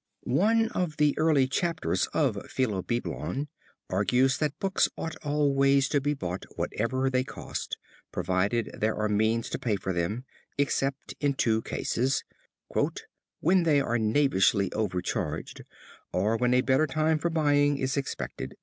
One of the early chapters of Philobiblon argues that books ought always to be bought whatever they cost, provided there are means to pay for them, except in two cases, "when they are knavishly overcharged, or when a better time for buying is expected."